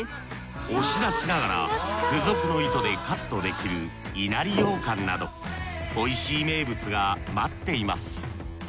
押し出しながら付属の糸でカットできる稲荷ようかんなど美味しい名物が待っています。